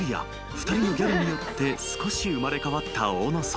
２人のギャルによって少し生まれ変わった大野荘］